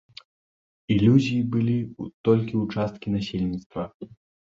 Ілюзіі былі толькі ў часткі насельніцтва.